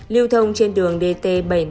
lưu thông trên đường dt bảy trăm năm mươi